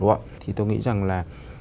đúng không thì tôi nghĩ rằng là